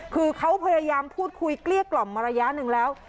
คือเขาพยายามพูดคุยเกลี้ยกล่อมมาระยะหนึ่งแล้ว